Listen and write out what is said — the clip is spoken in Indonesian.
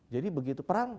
jadi begitu perang